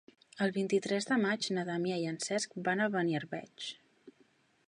El vint-i-tres de maig na Damià i en Cesc van a Beniarbeig.